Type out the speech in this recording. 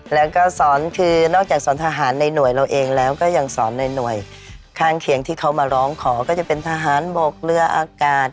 แล้วก็สอนคือนอกจากสอนทหารในหน่วยเราเองแล้วก็ยังสอนในหน่วยข้างเคียงที่เขามาร้องขอก็จะเป็นทหารบกเรืออากาศ